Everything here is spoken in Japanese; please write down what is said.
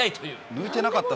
浮いてなかった？